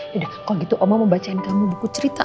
kalau gitu oma mau bacain kamu buku cerita